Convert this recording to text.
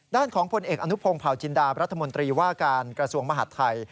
ด้านของผลเอกอนุพงศ์เผาจินดารัฐมนตรีว่าการกระทรวงมหาดไทย